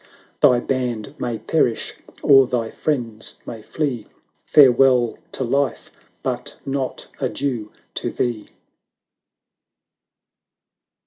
"Thy band may perish, or thy friends may flee, " Farewell to Life — but not Adieu to thee!"